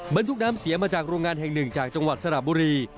บรรทุกน้ำเสียมาจากโรงงานแห่งหนึ่งจากจังหวัดสระบุรี